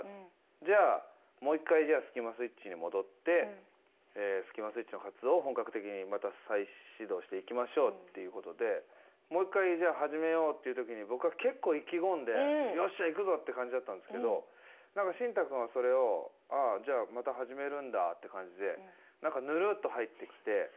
じゃあもう一回じゃあスキマスイッチに戻ってスキマスイッチの活動を本格的にまた再始動していきましょうっていうことでもう一回じゃあ始めようっていう時に僕は結構意気込んで「よっしゃいくぞ」って感じだったんですけど何かシンタくんはそれを「ああじゃあまた始めるんだ」って感じで何かぬるっと入ってきて。